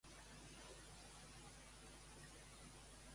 Què ha ajudat a la vida de la Via Trajana?